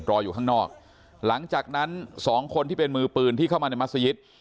อยู่ข้างนอกหลังจากนั้นสองคนที่เป็นมือปืนที่เข้ามาในมัศยิต